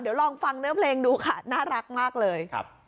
เดี๋ยวลองฟังเนื้อเพลงดูค่ะน่ารักมากเลย